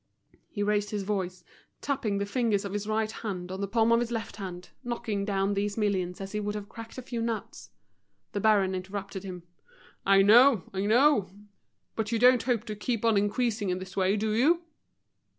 He raised his voice, tapping the fingers of his right hand on the palm of his left hand, knocking down these millions as he would have cracked a few nuts. The baron interrupted him. "I know, I know. But you don't hope to keep on increasing in this way, do you?"